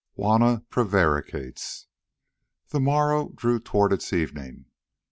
JUANNA PREVARICATES The morrow drew towards its evening.